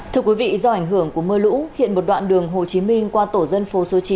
thưa quý vị do ảnh hưởng của mưa lũ hiện một đoạn đường hồ chí minh qua tổ dân phố số chín